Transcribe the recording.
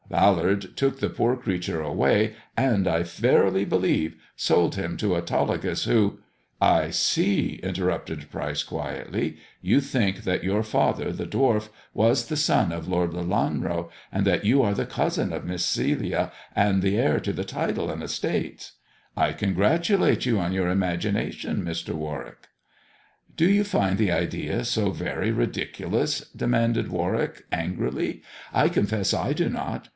Ballard took the poor creature away, and, I verily believe, sold him to Autolycus, who "" I see," interrupted Pryce quietly, " you think that your father, the dwarf, was the son of Lord Lelanro, and that you are the cousin of Miss Celia and the heir to the title and estates ] I congratulate you on your imagination, Mr. Warwick." "Do you find the idea so very ridiculous 1 " demanded Warwick angrily. "I confess I do not.